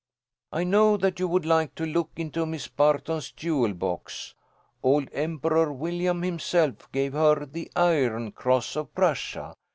"I know that you would like to look into Miss Barton's jewel box. Old Emperor William himself gave her the Iron Cross of Prussia.